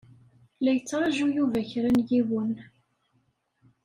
La yettraju Yuba kra n yiwen.